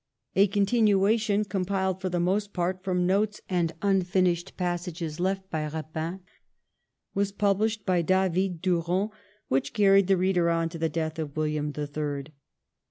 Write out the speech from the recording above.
A continuation, compiled for the most part from notes and unfinished passages left by Eapin, was pubhshed by David Durand, which carried the reader on to the death of William the Third.